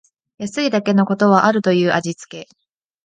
安いだけのことはあるという味つけ